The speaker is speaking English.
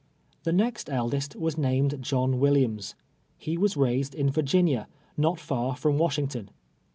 llie next eldest was named John AVillianis. lie was raised in Virginia, not I'ar from AV^asliington.